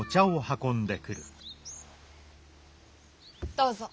どうぞ。